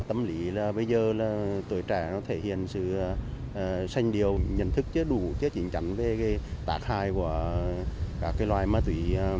em vẫn nhận thức chất đủ chất chính chuẩn về tạc hại loài ma túy